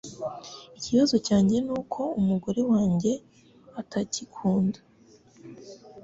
Ikibazo cyanjye nuko umugore wanjye atagikunda.